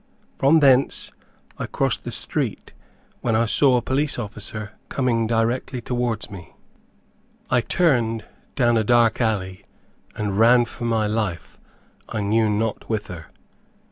From thence I crossed the street, when I saw a police officer coming directly towards me. I turned down a dark alley and ran for my life, I knew not whither.